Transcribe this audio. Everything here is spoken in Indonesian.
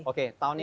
oke tahun ini